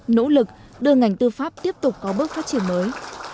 nỗ lực đưa ngành tư pháp tiếp tục có bước phát triển mới